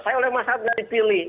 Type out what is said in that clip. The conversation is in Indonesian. kalau ada masalah nggak dipilih